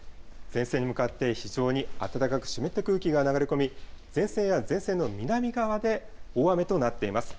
前線に向かって非常に暖かく湿った空気が流れ込み、前線や前線の南側で大雨となっています。